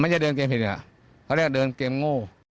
จะเดินเกมผิดเหรอเขาเรียกเดินเกมโง่